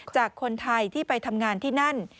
จากคนไทยที่ไปทำงานที่นั่น